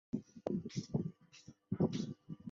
有此类似性质的还有七氧化二铼等。